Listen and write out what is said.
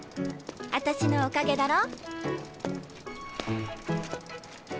あたしのおかげだろ？